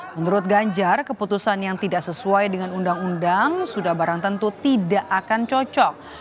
menurut ganjar keputusan yang tidak sesuai dengan undang undang sudah barang tentu tidak akan cocok